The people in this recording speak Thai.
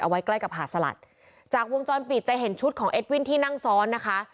ไว้ใกล้กับหาดสลัดจากวงจรปิดจะเห็นชุดของเอ็ดวินที่นั่งซ้อนนะคะ